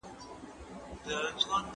بې ځايه توکل لټي ده.